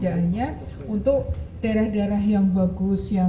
diharapkan dapat mendorong kolaborasi dan perkembangan kota kota yang berkelanjutan